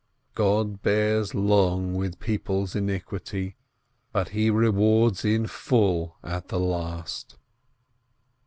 God bears long with people's iniquity, but he rewards in full at the last.